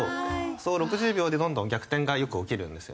その６０秒でどんどん逆転がよく起きるんですよね。